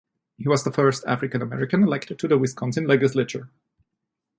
He was the first African American elected to the Wisconsin Legislature.